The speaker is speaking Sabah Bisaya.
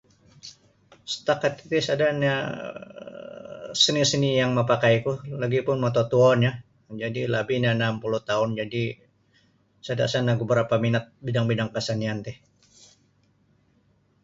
Setakat titi sada nio um seni-seni yang mapakai ku lagipun matatuo jadi nio anam puluh taun jadi sada sa no gu barapa minat bidang-bidang kesenian ti.